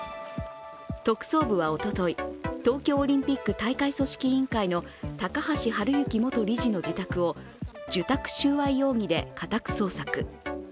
特捜部はおととい、東京オリンピック大会組織委員会の高橋治之元理事の自宅を受託収賄容疑で家宅捜索。